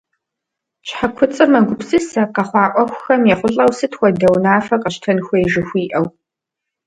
Щхьэ куцӀыр мэгупсысэ, къэхъуа Ӏуэхухэм ехъулӀэу сыт хуэдэ унафэ къэщтэн хуей жыхуиӀэу.